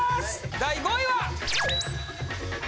第５位は。